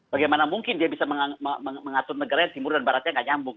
bagaimana mungkin dia bisa mengatur negara timur dan baratnya nggak nyambung